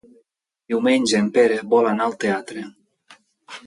Diumenge en Pere vol anar al teatre.